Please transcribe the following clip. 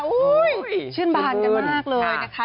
อุ้ยชื่นบานมากเลยนะคะ